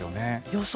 予想